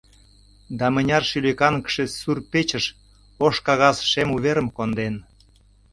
Да мыняр шӱлыкаҥше сурт-печыш Ош кагаз шем уверым конден.